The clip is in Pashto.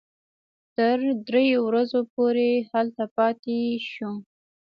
تر درې ورځو پورې هلته پاتې شوو.